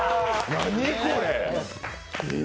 何これ。